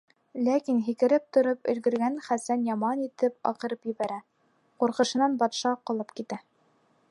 Ләкин һикереп тороп өлгөргән Хәсән яман итеп аҡырып ебәрә, ҡурҡышынан батша ҡолап китә.